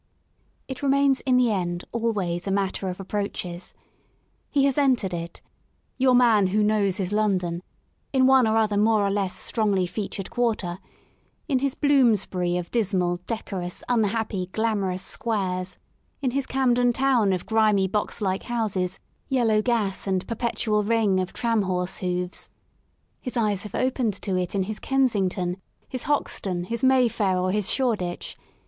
It remains in the end always a matter of approaches. He has entered it — your man who knows his London — in one or other more or less strongly featured quarter ; in his Bloomsbury of dismal, decorous, unhappy, glamorous squares ; in his Camden Town of grimy box like houses, yellow gas and perpetual ring of tram horse 3 THE SOUL OF LONDON hoofs; his eyes have opened to it in his Kensington, his Hoxton, his Mayfair or his Shoreditch.